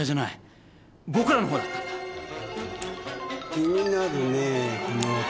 気になるねえこの音。